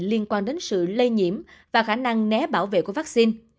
liên quan đến sự lây nhiễm và khả năng né bảo vệ của vaccine